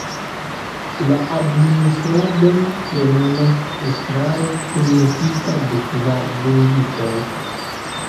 La administradon plenumas estraro kunmetita de kvar dungitoj.